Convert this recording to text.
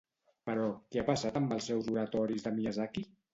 Però, què ha passat amb els seus oratoris de Miyazaki?